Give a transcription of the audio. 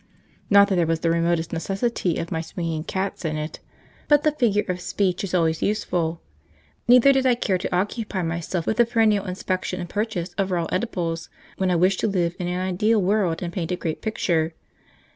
Not that there was the remotest necessity of my swinging cats in it, but the figure of speech is always useful. Neither did I care to occupy myself with the perennial inspection and purchase of raw edibles, when I wished to live in an ideal world and paint a great picture.